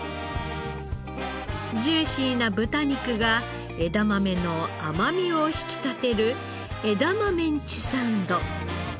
ジューシーな豚肉が枝豆の甘みを引き立てるえだまメンチサンド。